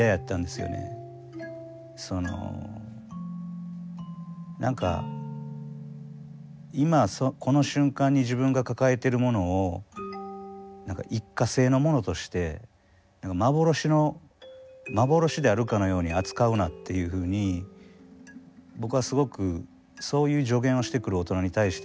その何か今この瞬間に自分が抱えてるものを一過性のものとして幻であるかのように扱うなっていうふうに僕はすごくそういう助言をしてくる大人に対して嫌悪感を持ってたんで。